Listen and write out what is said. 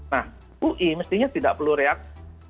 nah ui mestinya tidak perlu reaksi